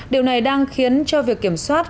điều này đang khiến cho việc kiểm soát